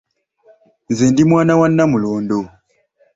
Nze ndi mwana wa Namulondo.